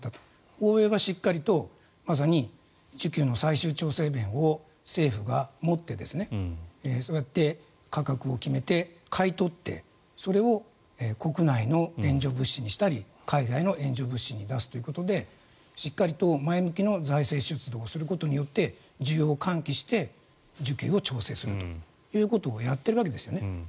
欧米はしっかりとまさに需給の最終調整弁を政府が持って、そうやって価格を決めて、買い取ってそれを国内の援助物資にしたり海外の援助物資に出すということでしっかりと前向きの財政出動をすることによって需要を喚起して需給を調整するということをやってるわけですね。